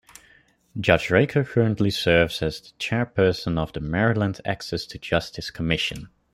Judge Raker currently serves as the Chairperson of the Maryland Access to Justice Commission.